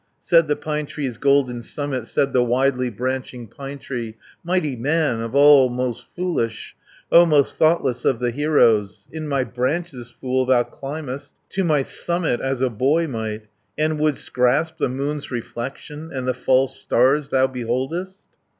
150 Said the pine tree's golden summit, Said the widely branching pine tree, "Mighty man, of all most foolish, O most thoughtless of the heroes! In my branches, fool, thou climbest, To my summit, as a boy might, And would'st grasp the moon's reflection, And the false stars thou beholdest!"